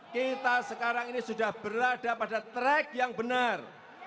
kita sekarang ini sudah berada pada track yang benar